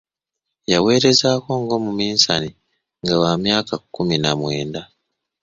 Yaweerezaako ng'omuminsani nga wa myaka kkumi na mwenda.